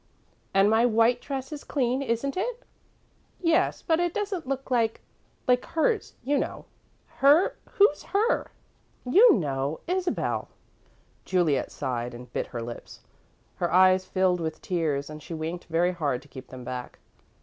"And my white dress is clean, isn't it?" "Yes, but it doesn't look like like hers, you know." "Her? Who's 'her'?" "You know Isabel." Juliet sighed and bit her lips. Her eyes filled with tears and she winked very hard to keep them back.